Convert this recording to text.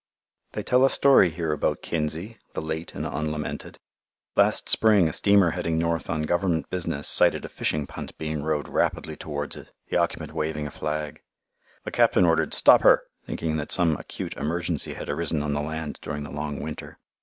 They tell a story here about Kinsey, the late and unlamented. Last spring a steamer heading north on Government business sighted a fishing punt being rowed rapidly towards it, the occupant waving a flag. The captain ordered, "Stop her," thinking that some acute emergency had arisen on the land during the long winter.